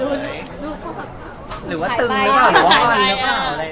ดูเขาแบบหายไปหรือว่าตึงหรือเปล่าหรือว่าอ่อนหรือเปล่า